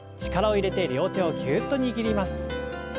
力を入れて両手をぎゅっと握ります。